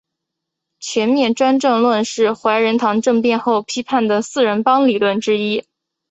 全面专政论是怀仁堂政变后批判的四人帮理论之一。